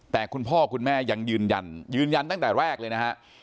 แต่คุณพ่อคุณแม่ยังยืนยันยืนยันตั้งแต่แรกเลยนะฮะ